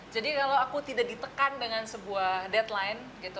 jadi kalau aku tidak ditekan dengan sebuah deadline gitu